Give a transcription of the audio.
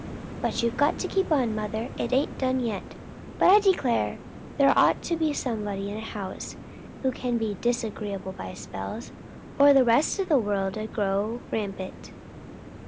"But you've got to keep on, mother; it ain't done yet. But I declare! there ought to be somebody in a house who can be disagreeable by spells, or the rest of the world'd grow rampant."